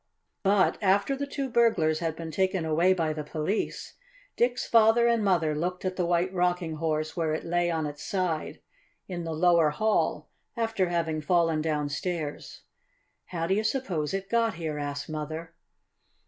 But after the two burglars had been taken away by the police, Dick's father and mother looked at the White Rocking Horse where it lay on its side in the lower hall, after having fallen downstairs. "How do you suppose it got here?" asked Mother.